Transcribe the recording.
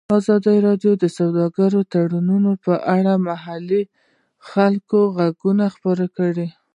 ازادي راډیو د سوداګریز تړونونه په اړه د محلي خلکو غږ خپور کړی.